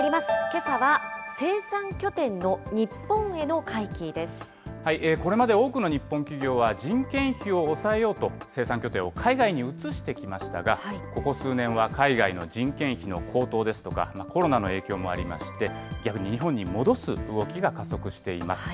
けさは生産拠点の日本への回帰でこれまで多くの日本企業は、人件費を抑えようと、生産拠点を海外に移してきましたが、ここ数年は海外の人件費の高騰ですとか、コロナの影響もありまして、逆に日本に戻す動きが加速しています。